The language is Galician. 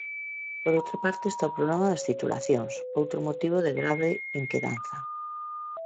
Por outra parte está o problema das titulacións, outro motivo de grave inquedanza.